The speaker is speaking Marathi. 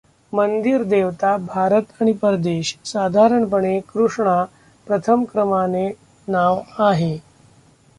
मंदिर देवता भारत आणि परदेश साधारणपणे कृष्णा प्रथम क्रमाने नाव आहे.